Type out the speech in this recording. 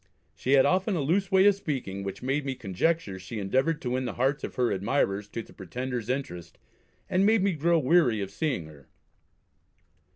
She had often a loose way of speaking, which made me conjecture she endeavoured to win the hearts of her admirers to the Pretender's interest, and made me grow weary of seeing her.